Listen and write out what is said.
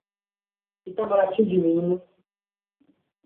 Itamarati de Minas